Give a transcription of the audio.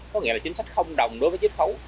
có nghĩa là chính sách không đồng đối với chết khấu